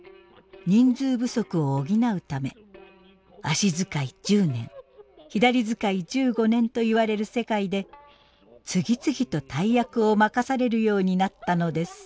人数不足を補うため足遣い１０年左遣い１５年といわれる世界で次々と大役を任されるようになったのです。